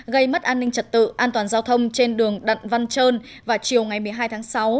gây mất an ninh trật tự an toàn giao thông trên đường đặng văn trơn vào chiều ngày một mươi hai tháng sáu